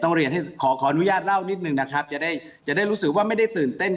เรียนให้ขอขออนุญาตเล่านิดนึงนะครับจะได้จะได้รู้สึกว่าไม่ได้ตื่นเต้น